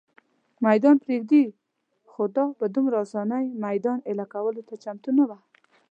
مېدان پرېږدي، خو دا په دومره آسانۍ مېدان اېله کولو ته چمتو نه وه.